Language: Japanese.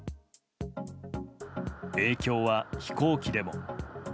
影響は飛行機でも。